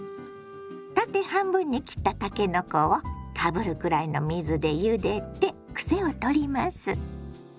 縦半分に切ったたけのこをかぶるくらいの水でゆでてクセを取ります。